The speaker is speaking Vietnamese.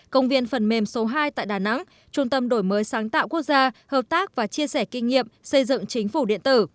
công viên phần mềm số hai tại đà nẵng trung tâm đổi mới sáng tạo quốc gia hợp tác và chia sẻ kinh nghiệm xây dựng chính phủ điện tử